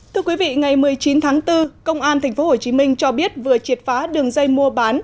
từ ngày một mươi chín tháng bốn công an tp hcm cho biết vừa triệt phá đường dây mua bán